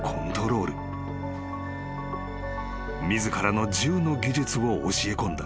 ［自らの銃の技術を教えこんだ］